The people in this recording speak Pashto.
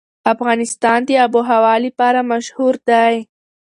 افغانستان د آب وهوا لپاره مشهور دی.